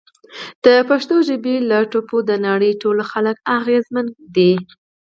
د پښتو ژبې له ټپو د نړۍ ټول خلک اغیزمن دي!